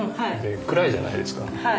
暗いじゃないですか。